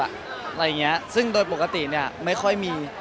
อะไรอย่างนี้ซึ่งโดยปกติเนี่ยไม่ค่อยมี